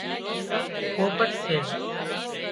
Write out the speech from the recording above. پوپٽ سي